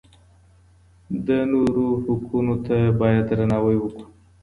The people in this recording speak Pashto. د نورو حقونو ته بايد درناوی وکړو.